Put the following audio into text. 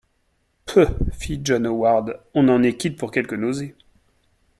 Peuh!... fit John Howard, on en est quitte pour quelques nausées.